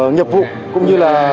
nhiệp vụ cũng như là